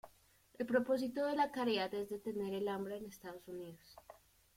El propósito de la caridad es detener el hambre en Estados Unidos.